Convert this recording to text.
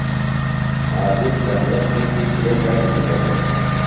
ݨ عابد کمرہ شِیٹیۡ کے تنگ بِھلوۡ دےۡ؟